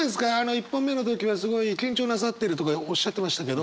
１本目の時はすごい緊張なさってるとかおっしゃってましたけど。